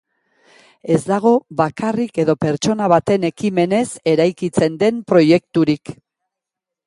Ez dago bakarrik edo pertsona baten ekimenez eraikitzen den proiekturik.